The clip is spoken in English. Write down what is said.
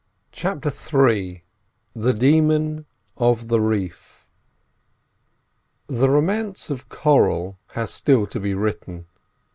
CHAPTER III THE DEMON OF THE REEF The romance of coral has still to be written.